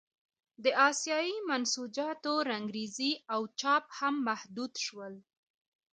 د اسیايي منسوجاتو رنګرېزي او چاپ هم محدود شول.